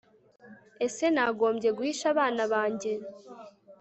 Ese nagombye guhisha abana banjye